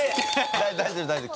大丈夫大丈夫。